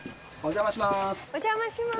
お邪魔します。